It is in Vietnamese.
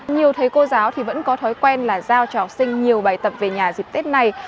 nhiều thầy cô giáo thì vẫn có thói quen là giao cho học sinh nhiều bài tập về nhà dịp tết này